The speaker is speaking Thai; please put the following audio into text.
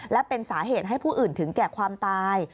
และเป็นสาเหตุให้ผู้อื่นถึงแก่ความตาย